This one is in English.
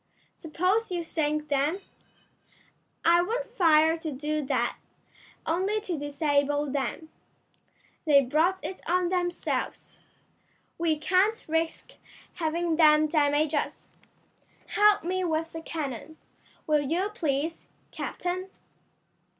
"Suppose you sink them?" "I won't fire to do that; only to disable them. They brought it on themselves. We can't risk having them damage us. Help me with the cannon, will you please, captain?"